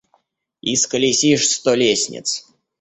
Исколесишь сто лестниц.